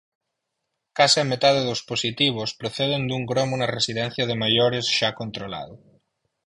Case a metade dos positivos proceden dun gromo na residencia de maiores xa controlado.